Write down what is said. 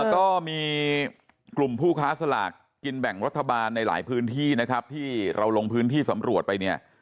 ก็มีกลุ่มผู้ค้าสลากกินแบ่งรัฐบาลในหลายพื้นที่นะครับที่เราลงพื้นที่สำรวจไปเนี่ย